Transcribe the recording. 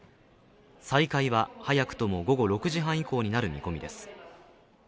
再開は早くとも午後６時半以降になる見込みです。